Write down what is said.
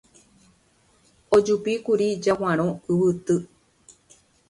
Ojupíkuri Jaguarõ yvyty.